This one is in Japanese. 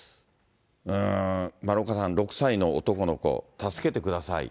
丸岡さん、６歳の男の子、助けてください。